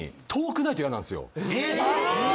えっ⁉